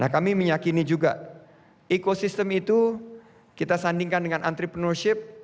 kami meyakini juga ekosistem itu kita sandingkan dengan entrepreneurship